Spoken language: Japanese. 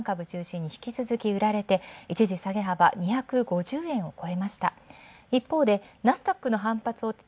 消費者鉄鋼など中心に引き続き売られ、一時下げ幅、２５０円を超えました。